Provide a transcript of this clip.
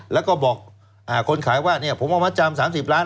แล้วบอกคนขายว่าผมมัดจำ๓๐ล้าน